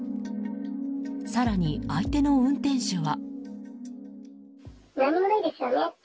更に、相手の運転手は。